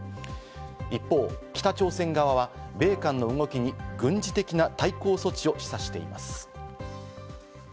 一方、北朝鮮側は米韓の動きに軍事的な対抗措置を示唆しています。